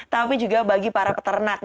tapi juga bagi para peternak